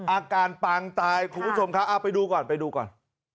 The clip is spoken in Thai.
อาการปางตายคุณผู้ชมครับเอาไปดูก่อนไปดูก่อน